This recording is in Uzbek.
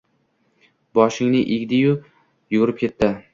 Boshini egdi-yu, yugurib ketdi.